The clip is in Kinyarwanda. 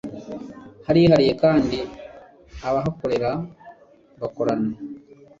harihariye kandi abahakorera bakorana